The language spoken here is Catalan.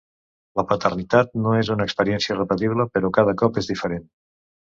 La paternitat no és una experiència irrepetible, però cada cop és diferent.